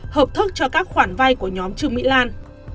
hợp thức cho các khoản vay của nhóm trương mỹ lan